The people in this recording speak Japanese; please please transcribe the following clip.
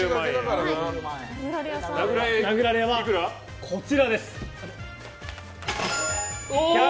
殴られ屋はこちらです。